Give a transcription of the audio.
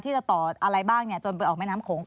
จะต่ออะไรบ้างจนไปออกแม่น้ำโขง